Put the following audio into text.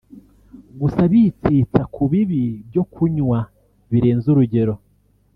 gusa bitsitsa ku bibi byo kunywa birenze urugero